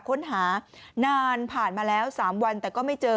ค้นหานานผ่านมาแล้ว๓วันแต่ก็ไม่เจอ